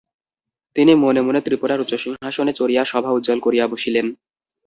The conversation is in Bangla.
তিনি মনে মনে ত্রিপুরার উচ্চ সিংহাসনে চড়িয়া সভা উজ্জ্বল করিয়া বসিলেন।